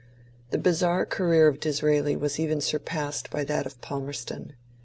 The bizarre career of Disraeli was even surpassed by that of Palmerston.